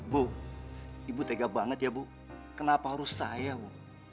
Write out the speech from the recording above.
bu ibu tega banget ya bu kenapa harus saya bu